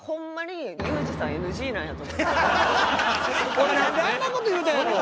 俺なんであんな事言うたんやろ？